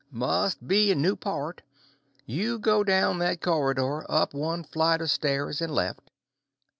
"Must be a new part. You go down that corridor, up one flight of stairs and left.